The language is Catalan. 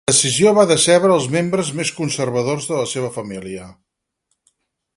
La decisió va decebre els membres més conservadors de la seva família.